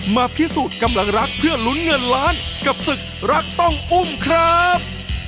มาพิสูจน์กำลังรักเพื่อลุ้นเงินล้านกับศึกรักต้องอุ้มครับ